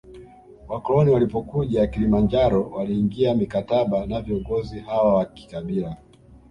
Wakoloni walipokuja Kilimanjaro waliingia mikataba na viongozi hawa wa kikabila